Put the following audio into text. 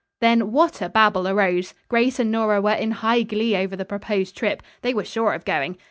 Then what a babble arose. Grace and Nora were in high glee over the proposed trip. They were sure of going.